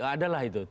ada lah itu